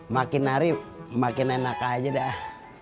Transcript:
makin nari makin enak aja dah